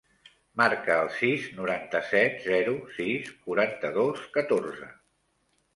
Marca el sis, noranta-set, zero, sis, quaranta-dos, catorze.